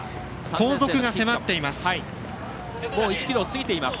後続が迫っています。